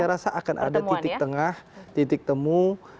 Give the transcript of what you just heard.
saya rasa akan ada titik tengah titik temu